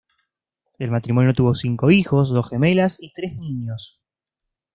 El matrimonio tuvo cinco hijos, dos gemelas y tres niños.